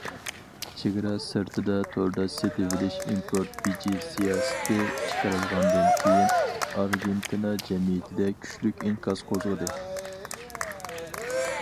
« چېگرا سىرتىدا توردا سېتىۋېلىش ئىمپورت بېجى» سىياسىتى چىقىرىلغاندىن كېيىن، ئارگېنتىنا جەمئىيىتىدە كۈچلۈك ئىنكاس قوزغىدى.